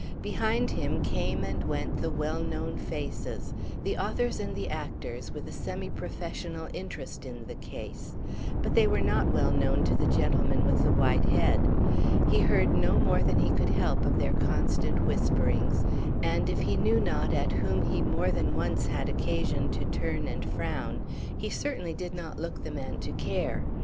Behind him came and went the well known faces, the authors and the actors with a semi professional interest in the case; but they were not well known to the gentleman with the white head. He heard no more than he could help of their constant whisperings, and, if he knew not at whom he more than once had occasion to turn and frown, he certainly did not look the man to care.